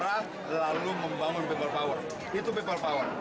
akhirnya kita colak